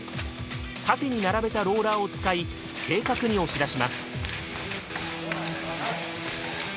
縦に並べたローラーを使い正確に押し出します。